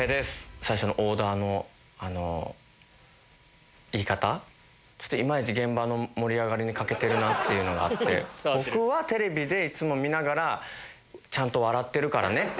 最初のオーダーの言い方、ちょっといまいち現場の盛り上がりに欠けてるなっていうのがあって、僕はテレビでいつも見ながら、ちゃんと笑ってるからねって。